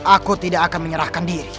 aku tidak akan menyerahkan diri